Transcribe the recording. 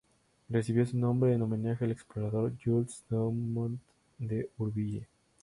Recibió su nombre en homenaje al explorador Jules Dumont D'Urville.